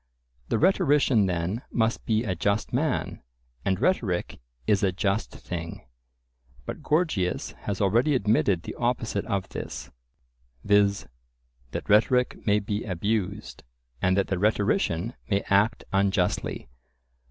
The rhetorician then must be a just man, and rhetoric is a just thing. But Gorgias has already admitted the opposite of this, viz. that rhetoric may be abused, and that the rhetorician may act unjustly.